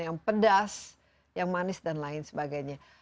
yang pedas yang manis dan lain sebagainya